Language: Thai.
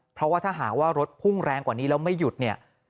เพราะว่าถ้าหากว่ารถพุ่งแรงกว่านี้แล้วไม่หยุดเนี่ย